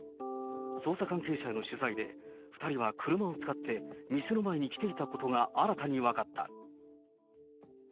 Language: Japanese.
捜査関係者への取材で、２人は車を使って店の前に来ていたことが新たに分かった。